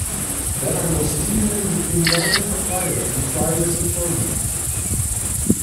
Then I was teetering between "Goblet of Fire" and "Triwizard Tournament".